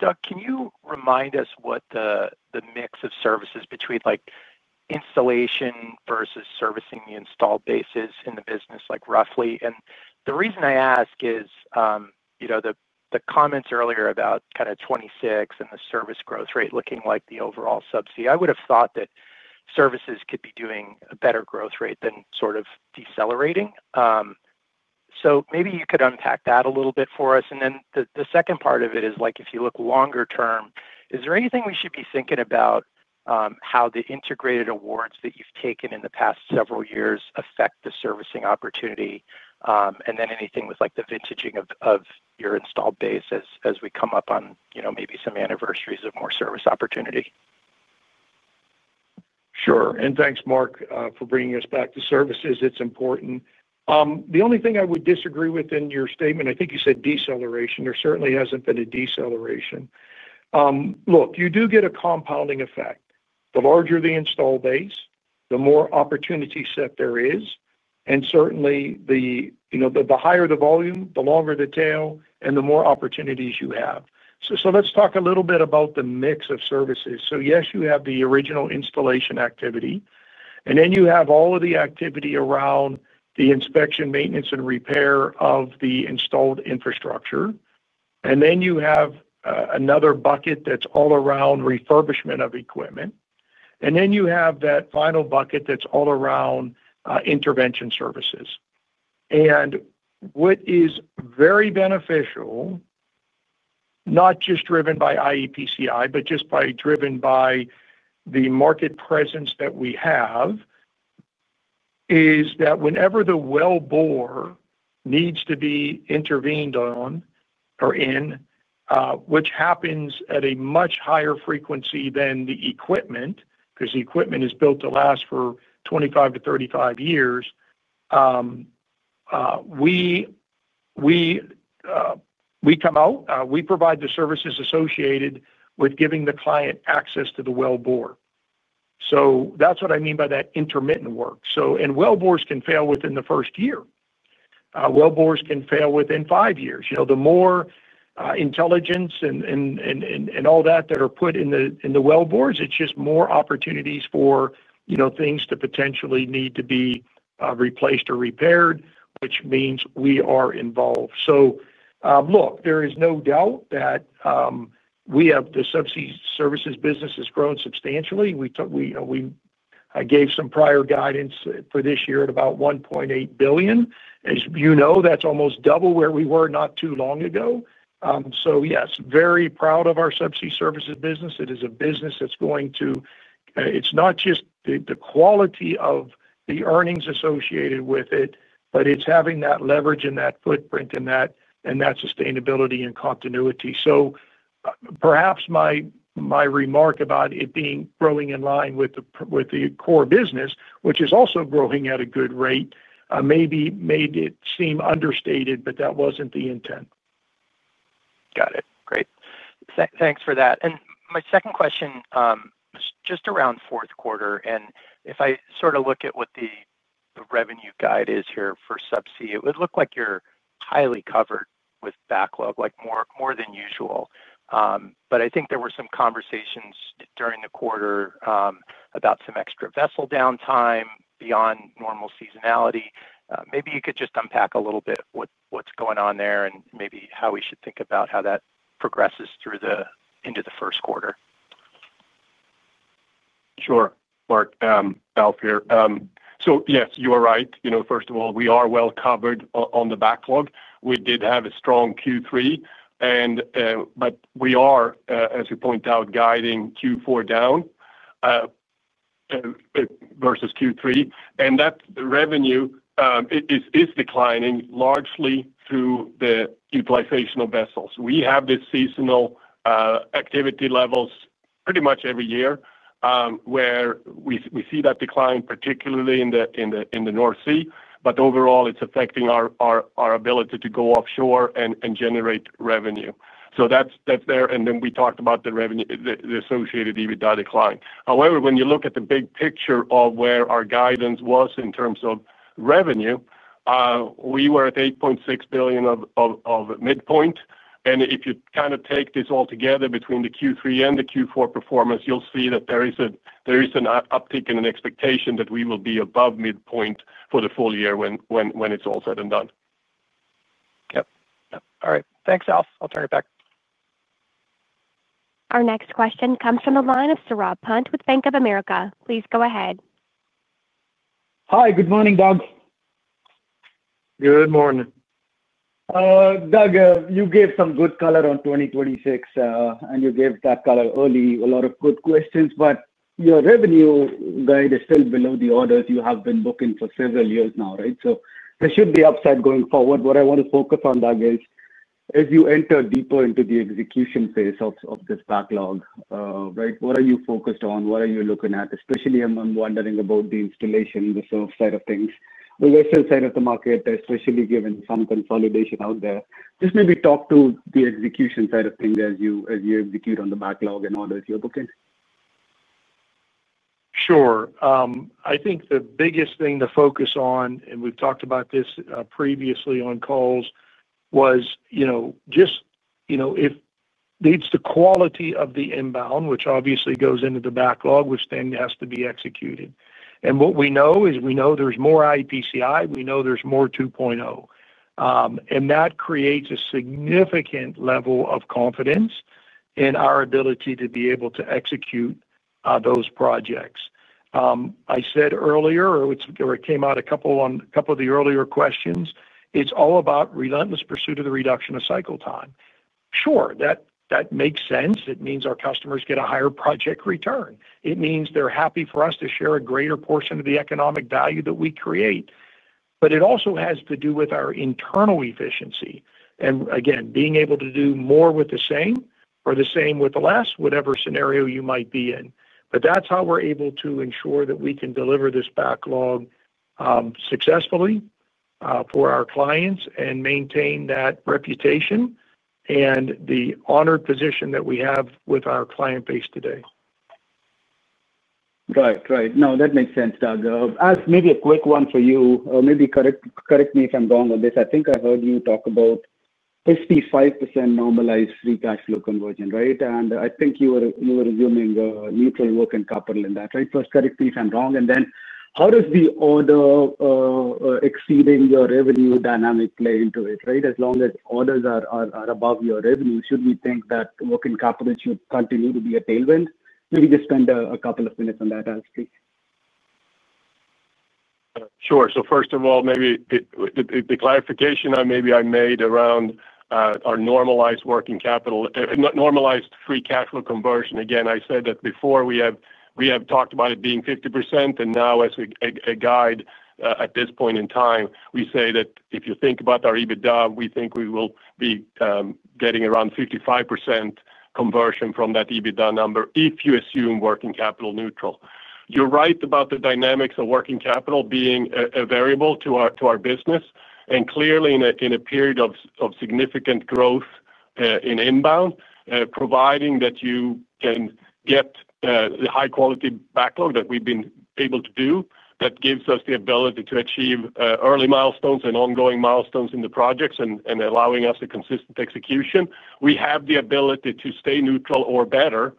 Doug, can you remind us what the mix of services between installation versus servicing the installed bases in the business is, roughly? The reason I ask is, the comments earlier about 2026 and the service growth rate looking like the overall subsea, I would have thought that services could be doing a better growth rate than sort of decelerating. Maybe you could unpack that a little bit for us. The second part of it is, if you look longer term, is there anything we should be thinking about regarding how the integrated awards that you've taken in the past several years affect the servicing opportunity? Is there anything with the vintaging of your installed base as we come up on maybe some anniversaries of more service opportunity? Sure. Thanks, Mark, for bringing us back to services. It's important. The only thing I would disagree with in your statement, I think you said deceleration. There certainly hasn't been a deceleration. Look, you do get a compounding effect. The larger the install base, the more opportunity set there is. Certainly, the higher the volume, the longer the tail, and the more opportunities you have. Let's talk a little bit about the mix of services. Yes, you have the original installation activity. Then you have all of the activity around the inspection, maintenance, and repair of the installed infrastructure. Then you have another bucket that's all around refurbishment of equipment. Then you have that final bucket that's all around intervention services. What is very beneficial, not just driven by iEPCI, but just driven by the market presence that we have, is that whenever the well bore needs to be intervened on or in, which happens at a much higher frequency than the equipment, because the equipment is built to last for 25-35 years, we come out. We provide the services associated with giving the client access to the well bore. That's what I mean by that intermittent work. Well bores can fail within the first year. Well bores can fail within five years. The more intelligence and all that that are put in the well bores, it's just more opportunities for things to potentially need to be replaced or repaired, which means we are involved. There is no doubt that the subsea services business has grown substantially. I gave some prior guidance for this year at about $1.8 billion. As you know, that's almost double where we were not too long ago. Yes, very proud of our subsea services business. It is a business that's going to, it's not just the quality of the earnings associated with it, but it's having that leverage and that footprint and that sustainability and continuity. Perhaps my remark about it being growing in line with the core business, which is also growing at a good rate, maybe made it seem understated, but that wasn't the intent. Got it. Great. Thanks for that. My second question is just around fourth quarter. If I sort of look at what the revenue guide is here for subsea, it would look like you're highly covered with backlog, like more than usual. I think there were some conversations during the quarter about some extra vessel downtime beyond normal seasonality. Maybe you could just unpack a little bit what's going on there and maybe how we should think about how that progresses through into the first quarter. Sure, Mark. Alf here. Yes, you are right. First of all, we are well covered on the backlog. We did have a strong Q3, but we are, as you point out, guiding Q4 down versus Q3. That revenue is declining largely through the utilization of vessels. We have the seasonal activity levels pretty much every year where we see that decline, particularly in the North Sea. Overall, it's affecting our ability to go offshore and generate revenue. That's there. We talked about the revenue, the associated EBITDA decline. However, when you look at the big picture of where our guidance was in terms of revenue, we were at $8.6 billion of midpoint. If you kind of take this all together between the Q3 and the Q4 performance, you'll see that there is an uptick in an expectation that we will be above midpoint for the full year when it's all said and done. Yep. All right. Thanks, Alf. I'll turn it back. Our next question comes from the line of Saurabh Pant with Bank of America. Please go ahead. Hi. Good morning, Doug. Good morning. Doug, you gave some good color on 2026, and you gave that color early. A lot of good questions, but your revenue guide is still below the orders you have been booking for several years now, right? There should be upside going forward. What I want to focus on, Doug, is as you enter deeper into the execution phase of this backlog, what are you focused on? What are you looking at? Especially, I'm wondering about the installation, the surf side of things, the western side of the market, especially given some consolidation out there. Just maybe talk to the execution side of things as you execute on the backlog and orders you're booking. Sure. I think the biggest thing to focus on, and we've talked about this previously on calls, is the quality of the inbound, which obviously goes into the backlog, which then has to be executed. What we know is we know there's more iEPCI. We know there's more 2.0. That creates a significant level of confidence in our ability to be able to execute those projects. I said earlier, or it came out on a couple of the earlier questions, it's all about relentless pursuit of the reduction of cycle time. Sure, that makes sense. It means our customers get a higher project return. It means they're happy for us to share a greater portion of the economic value that we create. It also has to do with our internal efficiency. Again, being able to do more with the same or the same with less, whatever scenario you might be in. That's how we're able to ensure that we can deliver this backlog successfully for our clients and maintain that reputation and the honored position that we have with our client base today. Right. No, that makes sense, Doug. Maybe a quick one for you, or maybe correct me if I'm wrong on this. I think I heard you talk about 55% normalized free cash flow conversion, right? I think you were resuming neutral working capital in that, right? First, correct me if I'm wrong. How does the order exceeding your revenue dynamic play into it, right? As long as orders are above your revenue, should we think that working capital should continue to be a tailwind? Maybe just spend a couple of minutes on that, Alistair. Sure. First of all, maybe the clarification that maybe I made around our normalized working capital, normalized free cash flow conversion. Again, I said that before we have talked about it being 50%, and now as a guide at this point in time, we say that if you think about our EBITDA, we think we will be getting around 55% conversion from that EBITDA number if you assume working capital neutral. You're right about the dynamics of working capital being a variable to our business. Clearly, in a period of significant growth in inbound, providing that you can get the high-quality backlog that we've been able to do, that gives us the ability to achieve early milestones and ongoing milestones in the projects and allowing us a consistent execution, we have the ability to stay neutral or better,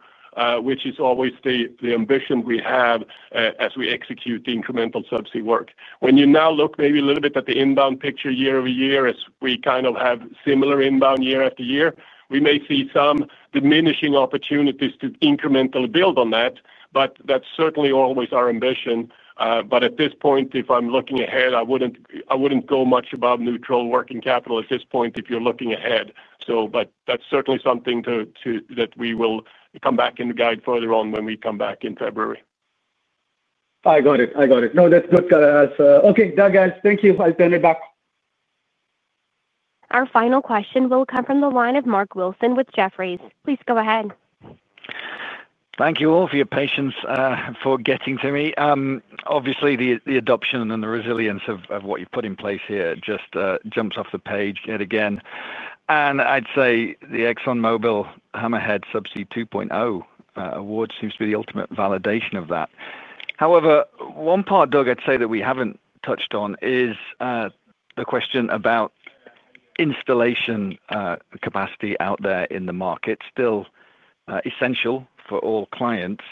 which is always the ambition we have as we execute the incremental subsea work. When you now look maybe a little bit at the inbound picture year-over-year, as we kind of have similar inbound year after year, we may see some diminishing opportunities to incrementally build on that, that's certainly always our ambition. At this point, if I'm looking ahead, I wouldn't go much above neutral working capital at this point if you're looking ahead. That's certainly something that we will come back and guide further on when we come back in February. I got it. No, that's good. Okay, Doug, guys, thank you. I'll turn it back. Our final question will come from the line of Mark Wilson with Jefferies. Please go ahead. Thank you all for your patience for getting to me. Obviously, the adoption and the resilience of what you've put in place here just jumps off the page yet again. I'd say the ExxonMobil Hammerhead Subsea 2.0 award seems to be the ultimate validation of that. However, one part, Doug, I'd say that we haven't touched on is the question about installation capacity out there in the market. It's still essential for all clients.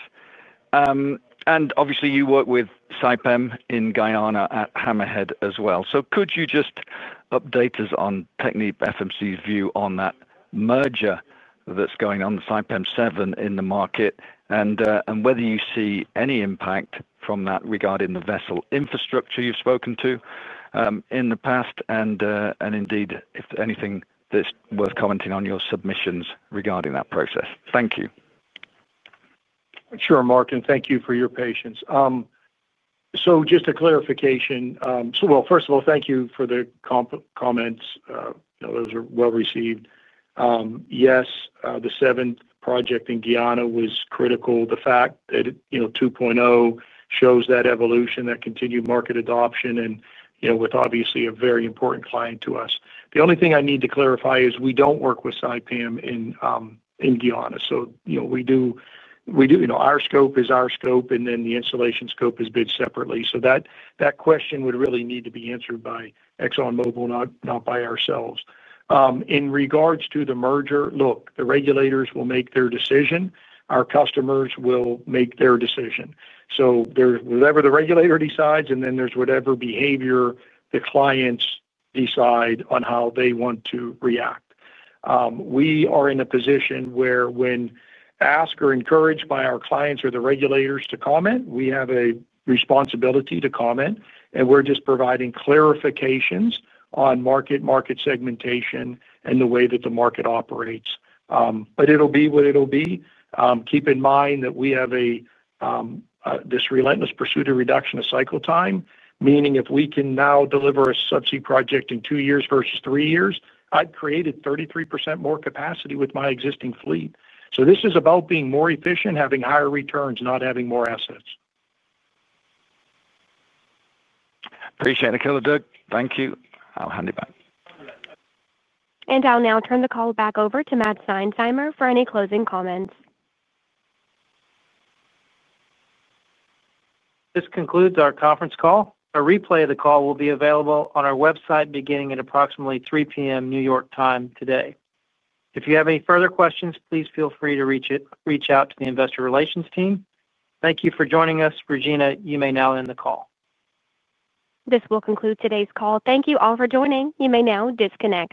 You work with Saipem in Guyana at Hammerhead as well. Could you just update us on TechnipFMC's view on that merger that's going on, Saipem 7 in the market, and whether you see any impact from that regarding the vessel infrastructure you've spoken to in the past, and indeed, if anything that's worth commenting on your submissions regarding that process. Thank you. Sure, Mark, and thank you for your patience. Just a clarification. First of all, thank you for the comments. You know, those are well received. Yes, the seventh project in Guyana was critical. The fact that it, you know, 2.0 shows that evolution, that continued market adoption, and, you know, with obviously a very important client to us. The only thing I need to clarify is we don't work with Saipem in Guyana. You know, our scope is our scope, and then the installation scope is bid separately. That question would really need to be answered by ExxonMobil, not by ourselves. In regards to the merger, look, the regulators will make their decision. Our customers will make their decision. There's whatever the regulator decides, and then there's whatever behavior the clients decide on how they want to react. We are in a position where when asked or encouraged by our clients or the regulators to comment, we have a responsibility to comment, and we're just providing clarifications on market segmentation and the way that the market operates. It'll be what it'll be. Keep in mind that we have this relentless pursuit of reduction of cycle time, meaning if we can now deliver a subsea project in two years versus three years, I've created 33% more capacity with my existing fleet. This is about being more efficient, having higher returns, not having more assets. Appreciate it, Doug. Thank you. I'll hand it back. I'll now turn the call back over to Matt Seinsheimer for any closing comments. This concludes our conference call. A replay of the call will be available on our website beginning at approximately 3:00 P.M. New York Time today. If you have any further questions, please feel free to reach out to the investor relations team. Thank you for joining us. Regina, you may now end the call. This will conclude today's call. Thank you all for joining. You may now disconnect.